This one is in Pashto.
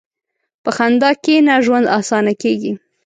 په خندا کښېنه، ژوند اسانه کېږي.